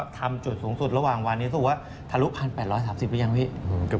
จุดสูงสุดระหว่างวันนี้เขาบอกว่าทะลุ๑๘๓๐หรือยังพี่